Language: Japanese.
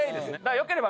よければ。